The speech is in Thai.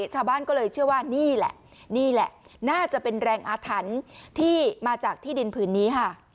ชาวบ้านก็เลยเชื่อว่านี่แหละนี่แหละน่าจะเป็นแรงอาถรรพ์ที่มาจากที่ดินผืนนี้ค่ะ